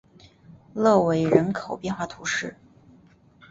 勒韦人口变化图示